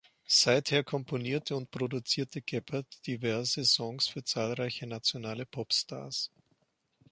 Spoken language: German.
Seither komponierte und produzierte Geppert diverse Songs für zahlreiche nationale Popstars.